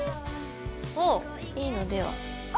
おいいのでは？